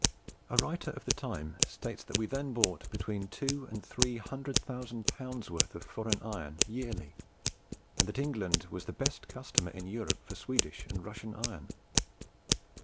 A writer of the time states that we then bought between two and three hundred thousand pounds' worth of foreign iron yearly, and that England was the best customer in Europe for Swedish and Russian iron.